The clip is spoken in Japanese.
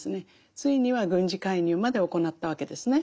ついには軍事介入まで行ったわけですね。